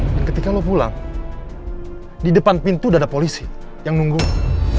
ketika lo pulang di depan pintu udah ada polisi yang nunggu